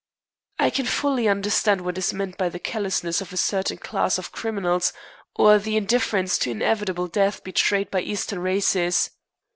I can fully understand what is meant by the callousness of a certain class of criminals, or the indifference to inevitable death betrayed by Eastern races.